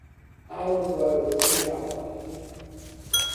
Álvaro Cunhal